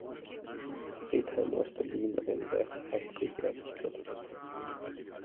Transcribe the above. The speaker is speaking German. Friedheim aus Berlin eine Seifenfabrik errichtet.